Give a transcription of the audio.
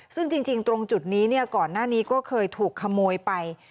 ซึ่งจริงตรงจุดนี้ก่อนหน้านี้ก็เคยถูกขโมยไป